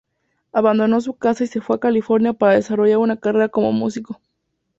Abandonó su casa y se fue a California para desarrollar una carrera como músico.